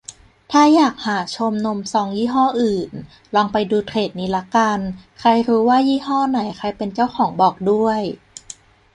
ถ้าอยากหาชมนมซองยี่ห้ออื่น ลองไปดูเทรดนี้ละกัน ใครรู้ว่ายี่ห้อไหนใครเป็นเจ้าของบอกด้วย